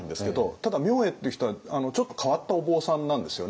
ただ明恵っていう人はちょっと変わったお坊さんなんですよね。